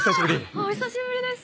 お久しぶりです。